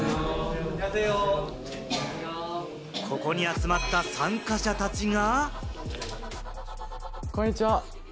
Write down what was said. ここに集まった参加者たちが。